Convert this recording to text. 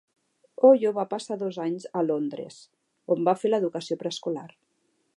Oyo va passar dos anys a Londres, on va fer l'educació preescolar.